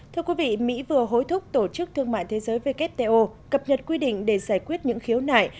thưa quý vị mỹ vừa hối thúc tổ chức thương mại thế giới wto cập nhật quy định để giải quyết những khiếu nại